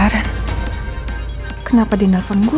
ldebaran kenapa di nelpon gue